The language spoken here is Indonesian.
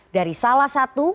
dari salah satu